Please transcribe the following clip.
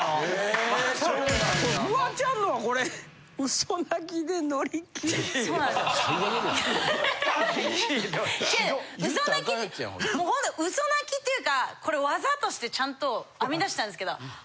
嘘泣きもうホント嘘泣きっていうかこれワザとしてちゃんと編み出したんですけど。